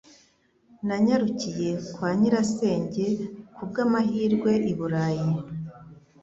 Nanyarukiye kwa nyirasenge ku bw'amahirwe i Burayi.